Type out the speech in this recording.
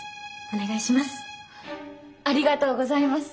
お願いします。